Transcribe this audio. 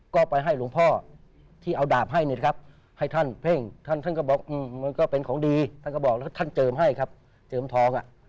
ก็ไปให้หลวงพ่อที่เอาดาบให้ให้ท่านเพ่งท่านก็บอกมันก็เป็นของดีท่านเจิมให้ครับเจิมทอง